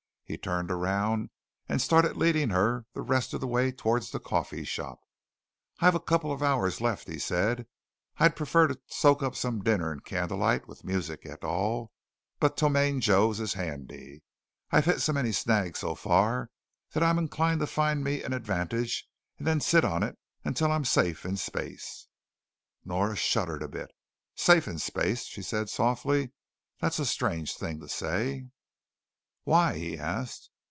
He turned around and started leading her the rest of the way towards the coffee shop. "I've a couple of hours left," he said. "I'd prefer to soak up some dinner in candlelight, with music, et al. But Ptomaine Joe's is handy. I've hit so many snags so far that I'm inclined to find me an advantage and then sit on it until I'm safe in space." Nora shuddered a bit. "Safe in space," she said softly. "That's a strange thing to say." "Why?" he asked.